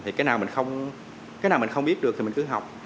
thì cái nào mình không biết được thì mình cứ học